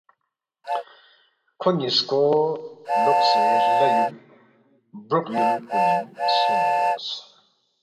کھونگ نِ٘یسکو لوقسے ہلا یُول، بروق یُول کُنِنگ سونگس